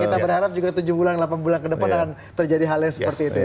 kita berharap juga tujuh bulan delapan bulan ke depan akan terjadi hal yang seperti itu ya